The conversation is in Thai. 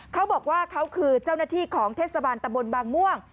เขาบอกว่าเขาคือเจ้าหน้าที่ของเทศบาลตะบนบางม่วง